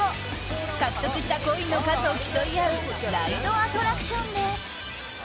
獲得したコインの数を競い合うライドアトラクションです。